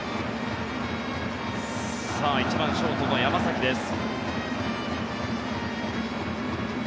１番ショートの山崎です。